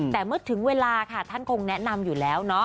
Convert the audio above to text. แต่เมื่อถึงเวลาค่ะท่านคงแนะนำอยู่แล้ว